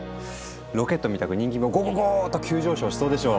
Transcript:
ロケットみたく人気もゴゴゴーッと急上昇しそうでしょ？